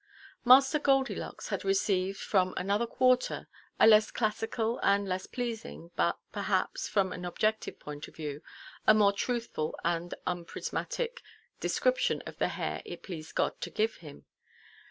Master Goldylocks had received, from another quarter, a less classical, and less pleasing, but perhaps (from an objective point of view) a more truthful and unprismatic description of the hair it pleased God to give him.